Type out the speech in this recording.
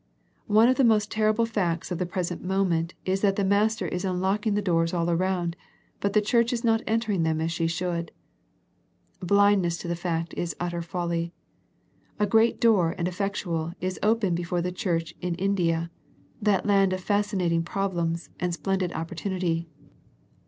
One of the most terrible facts of the present moment is that the Master is unlocking the doors all around, but the Church is not entering them as she should. Blindness to the fact is utterest folly. A great door and effectual is opened before the Church in India, that land of fascinatins^ problems, and splen did opportunity.